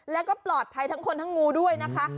แล้วก็ปลอดภัยทั้งคนทั้งงูด้วยนะคะ